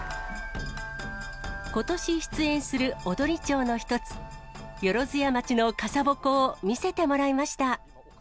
ことし出演する踊町の一つ、万屋町の傘鉾を見せてもらいました。